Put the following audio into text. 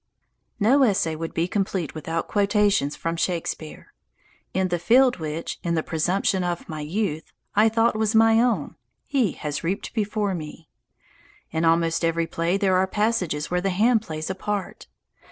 No essay would be complete without quotations from Shakspere. In the field which, in the presumption of my youth, I thought was my own he has reaped before me. In almost every play there are passages where the hand plays a part.